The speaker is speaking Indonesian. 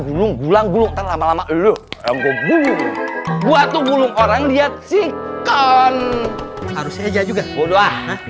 gulung gulang gulung lama lama dulu gua tuh gulung orang lihat sih kan harus aja juga